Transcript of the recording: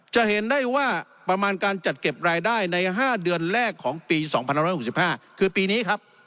จะเห็นได้ว่าประมาณการจัดเก็บรายได้ใน๕เดือนแรกของปี๒๑๖๕คือปีนี้ครับ